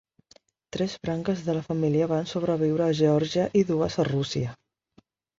Tres branques de la família van sobreviure a Geòrgia i dues a Rússia.